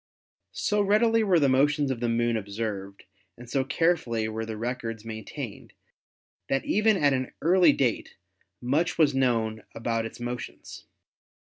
So readily were the motions of the Moon observed and so carefully were the records maintained that even at an early date much was known about its motions.